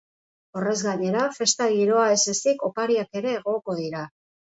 Horrez gainera, festa-giroa ez ezik, opariak ere egongo dira.